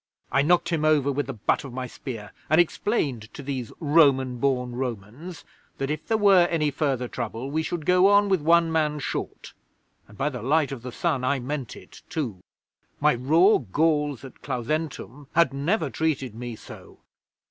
I knocked him over with the butt of my spear, and explained to these Roman born Romans that, if there were any further trouble, we should go on with one man short. And, by the Light of the Sun, I meant it too! My raw Gauls at Clausentum had never treated me so.